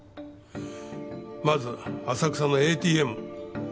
まず浅草のＡＴＭ。